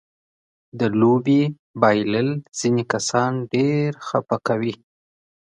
د لوبې بایلل ځينې کسان ډېر خپه کوي.